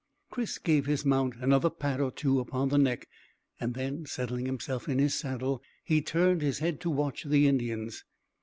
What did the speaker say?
Chris gave his mount another pat or two upon the neck, and then settling himself in his saddle he turned his head to watch the Indians.